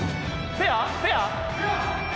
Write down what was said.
フェア？フェア！